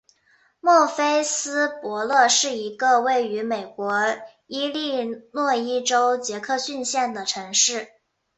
莫菲斯伯勒是一个位于美国伊利诺伊州杰克逊县的城市。